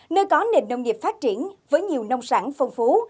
nơi có nền nông nghiệp phát triển với nhiều nông sản phong phú